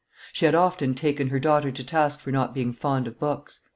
She had often taken her daughter to task for not being fond of books.